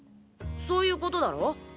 そういうことだろ？